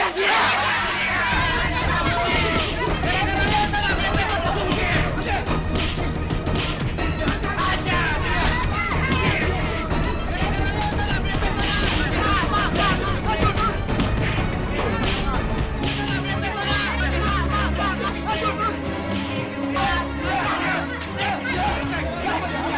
sekarang hajar dia